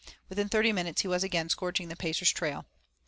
Within thirty minutes he was again scorching the Pacer's trail.